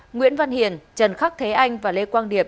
nguyễn văn hiền trần khắc thế anh và lê quang điệp